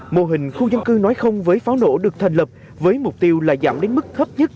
mô hình khu dân cư nói không với pháo nổ được thành lập với mục tiêu là giảm đến mức thấp nhất